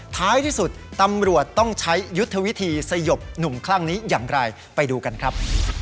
ท้ายที่สุดตำรวจต้องใช้ยุทธวิธีสยบหนุ่มคลั่งนี้อย่างไรไปดูกันครับ